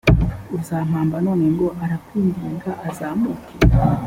uzampamba none ngo arakwinginga azamuke